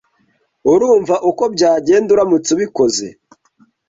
Urumva uko byagenda uramutse ubikoze?